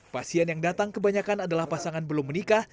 pasien yang datang kebanyakan adalah pasangan belum menikah